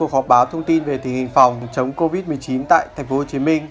họp báo thông tin về tình hình phòng chống covid một mươi chín tại tp hcm